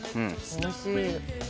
おいしい。